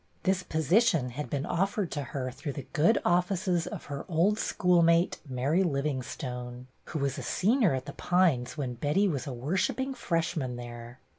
This position had been offered to her through the good offices of her old schoolmate, Mary Livingstone, who was a senior at ' The Pines ' when Betty was a worshipping freshman there.